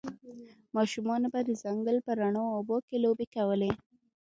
ماشومانو به د ځنګل په روڼو اوبو کې لوبې کولې